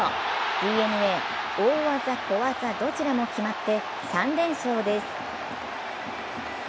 ＤｅＮＡ、大技・小技どちらも決まって３連勝です。